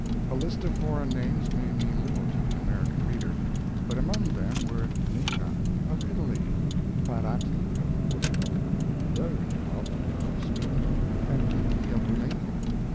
A list of foreign names may mean little to the American reader, but among them were Neigra, of Italy; Paraty, of Portugal; Lowenhaupt, of Sweden; and Ghiki, of Rumania.